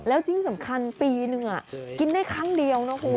แล้วที่สำคัญปีนึงกินได้ครั้งเดียวนะคุณ